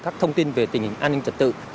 các thông tin về tình hình an ninh trật tự